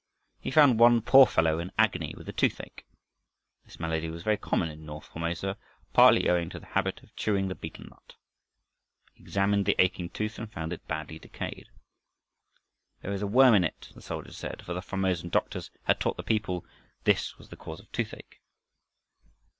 He found one poor fellow in agony with the toothache. This malady was very common in north Formosa, partly owing to the habit of chewing the betel nut. He examined the aching tooth and found it badly decayed. "There is a worm in it," the soldier said, for the Formosan doctors had taught the people this was the cause of toothache.